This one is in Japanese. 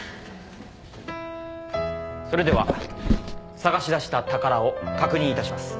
それでは探し出した宝を確認いたします。